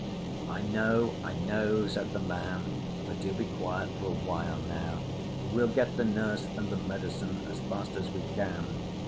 "I know. I know," said the man, "but he'll be quiet for a while now. We'll get the nurse and the medicine as fast as we can."